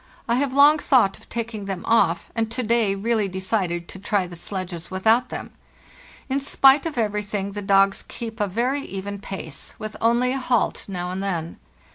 I have long thought of taking them off, and to day really decided to try the sledges without them. In spite of everything the dogs keep a very even pace, with only a halt now and then.